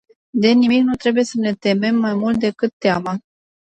De nimic nu trebuie să ne temem mai mult decât de teamă.